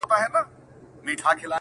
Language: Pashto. یار نمک حرام نه یم چي هغه کاسه ماته کړم.